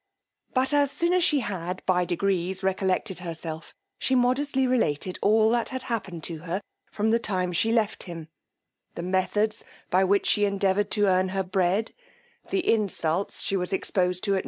But as soon as she had, by degrees, recollected herself, she modestly related all that had happened to her from the time she left him; the methods by which she endeavoured to earn her bread, the insults she was exposed to at mrs.